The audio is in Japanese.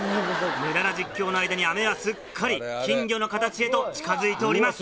無駄な実況の間に飴はすっかり金魚の形へと近づいております。